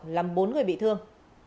làm bốn người bị thương